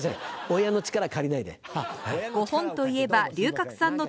親の力借りないで。